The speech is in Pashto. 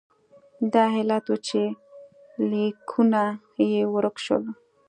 دا علت و چې لیکونه یې ورک شول.